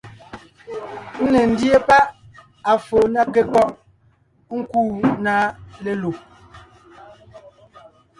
Ńne ńdíe páʼ à foo ná kékɔ́ʼ nkúu na lelùb,